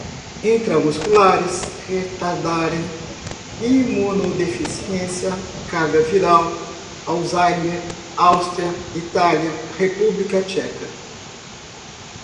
intramusculares, retardarem, imunodeficiência, carga viral, alzheimer, Aústria, Itália, República Tcheca